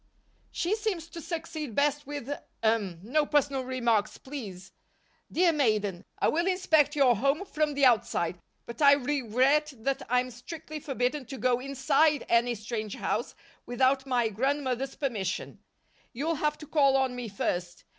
"She seems to succeed best with hum no personal remarks, please. Dear maiden, I will inspect your home from the outside, but I regret that I'm strictly forbidden to go _in_side any strange house without my grandmother's permission. You'll have to call on me first.